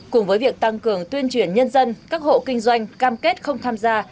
cùng với việc tăng cường tuyên truyền nhân dân các hộ kinh doanh cam kết không tham gia